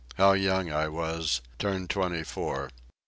How young I was—turned twenty four!